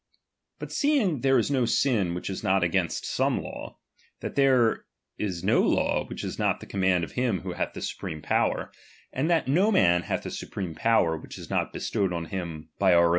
But seeing there is no sin which is not against some law, and that there is no law which is not the command of him who hath the supreme power, and that no man hath a supreme power which is not bestowed on him by our own con